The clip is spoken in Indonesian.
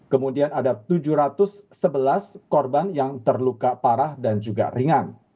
kemudian ada tujuh ratus sebelas korban yang terluka parah dan juga ringan